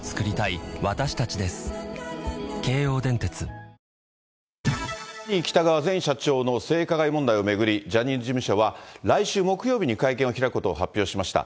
ジャニー喜多川前社長の性加害問題を巡り、ジャニーズ事務所は来週木曜日に会見を開くことを発表しました。